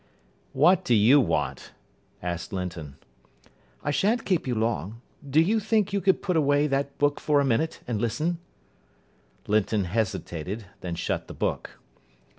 "What do you want?" asked Linton. "I shan't keep you long. Do you think you could put away that book for a minute, and listen?" Linton hesitated, then shut the book.